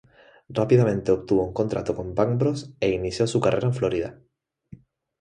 Rápidamente obtuvo un contrato con BangBros e inició su carrera en Florida.